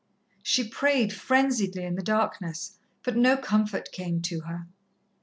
She prayed frenziedly in the darkness, but no comfort came to her.